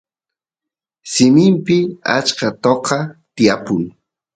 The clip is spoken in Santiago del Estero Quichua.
simimpi achka toqa tiyapun